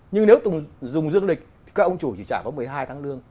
nhưng nếu tùng dùng dương lịch thì các ông chủ chỉ trả có một mươi hai tháng lương